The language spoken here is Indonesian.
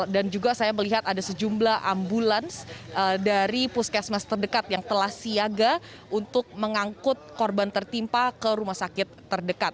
dan juga saya melihat ada sejumlah ambulans dari puskesmas terdekat yang telah siaga untuk mengangkut korban tertimpa ke rumah sakit terdekat